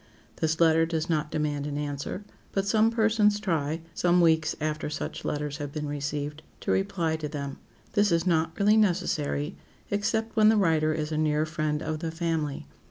This letter does not demand an answer, but some persons try, some weeks after such letters have been received, to reply to them. This is not really necessary, except when the writer is a near friend of the family.